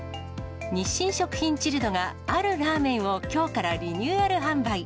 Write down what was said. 日清食品チルドがあるラーメンをきょうからリニューアル販売。